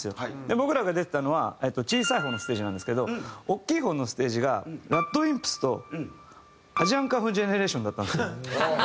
僕らが出てたのは小さい方のステージなんですけど大きい方のステージがＲＡＤＷＩＭＰＳとＡＳＩＡＮＫＵＮＧ−ＦＵＧＥＮＥＲＡＴＩＯＮだったんです。